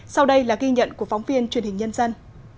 sau đây là ghi nhận của phóng viên truyền hình nhân dân